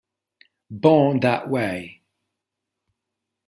Born That Way